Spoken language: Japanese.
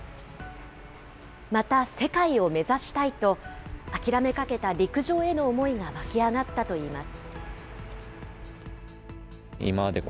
また世界を目指したいと、諦めかけた陸上への思いが湧き上がったといいます。